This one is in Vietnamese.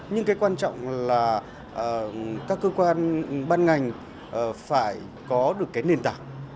nhưng cái quan trọng là các cơ quan ban ngành phải có được cái nền tảng